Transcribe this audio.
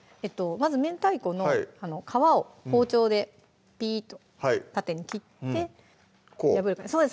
まず明太子の皮を包丁でピーッと縦に切ってこう？